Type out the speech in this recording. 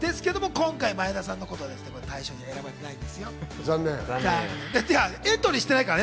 今回、前田さんのことは大賞に選ばれていません。